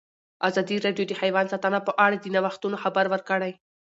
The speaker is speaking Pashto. ازادي راډیو د حیوان ساتنه په اړه د نوښتونو خبر ورکړی.